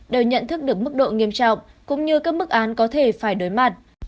đều nhận thức được mức độ nghiêm trọng cũng như các mức án có thể phải đối mặt